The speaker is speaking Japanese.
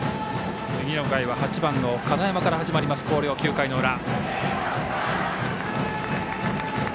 次の回は８番の金山から始まります広陵、９回の裏。